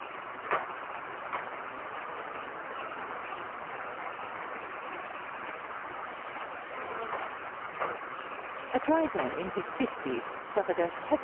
きょう午後１時前、近江八幡市のびわ湖の沖合で水上オートバイどうしがぶつかったと消防に通報がありました。